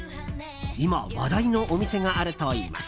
今、話題のお店があるといいます。